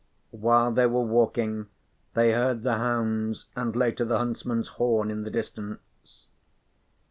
While they were walking they heard the hounds and later the huntsman's horn in the distance.